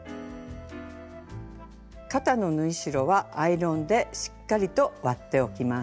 肩の縫い代はアイロンでしっかりと割っておきます。